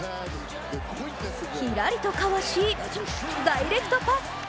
ひらりとかわし、ダイレクトパス。